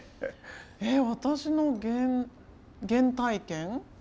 えっ私の原体験？